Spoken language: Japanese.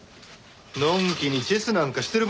のんきにチェスなんかしてる場合か？